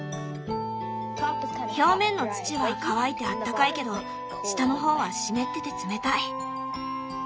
表面の土は乾いてあったかいけど下の方は湿ってて冷たい。